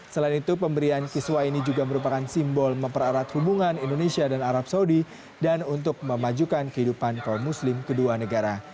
selain itu pemberian kiswah ini juga merupakan simbol memperarat hubungan indonesia dan arab saudi dan untuk memajukan kehidupan kaum muslim kedua negara